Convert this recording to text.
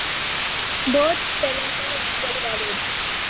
Both spellings are equally valid.